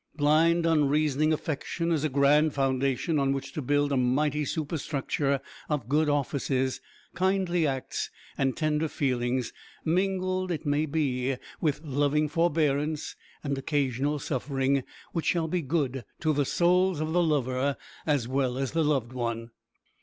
Blind, unreasoning affection is a grand foundation on which to build a mighty superstructure of good offices, kindly acts, and tender feelings, mingled, it may be, with loving forbearance, and occasional suffering, which shall be good to the souls of the lover, as well as the loved one.